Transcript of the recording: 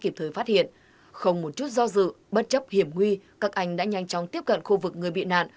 kịp thời phát hiện không một chút do dự bất chấp hiểm nguy các anh đã nhanh chóng tiếp cận khu vực người bị nạn